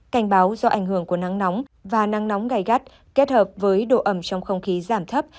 cảnh báo do ảnh hưởng của nắng nóng và nắng nóng gai gắt kết hợp với độ ẩm trong không khí giảm thấp